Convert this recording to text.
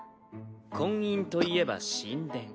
婚姻といえば神殿。